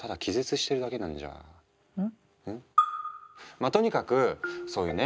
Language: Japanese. まあとにかくそういうね